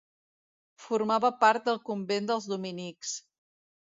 Formava part del Convent dels Dominics.